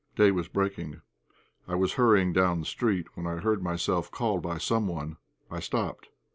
Day was breaking. I was hurrying down the street when I heard myself called by someone. I stopped.